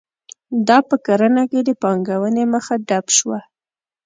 دا په کرنه کې د پانګونې مخه ډپ شوه.